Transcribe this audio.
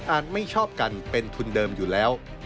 ไม่ชอบกันเป็นทุนเดิมอยู่แล้ว